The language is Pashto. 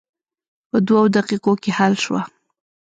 په دوه دقیقو کې حل شوه.